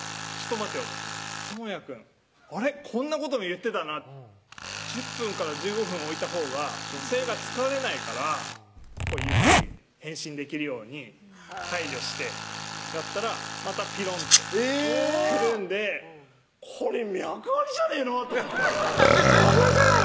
待てよとともやくんあれっこんなことも言ってたな「１０分から１５分置いたほうが女性が疲れないから」ゆっくり返信できるように配慮してやったらまたピロンって来るんでこれ脈ありじゃねぇの？って思って「脈ありじゃねぇの？」